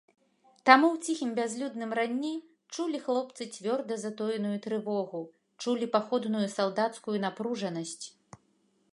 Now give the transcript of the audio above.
Таму ў ціхім бязлюдным ранні чулі хлопцы цвёрда затоеную трывогу, чулі паходную салдацкую напружанасць.